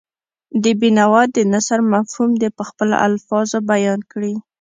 د بېنوا د نثر مفهوم دې په خپلو الفاظو بیان کړي.